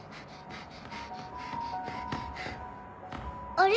あれ？